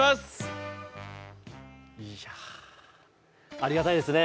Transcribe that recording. ありがたいですね。